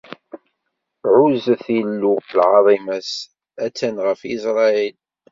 Ɛuzzet Illu! Lɛaḍima-s attan ɣef Isṛayil.